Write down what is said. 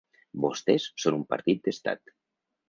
Vostès són un partit d’estat.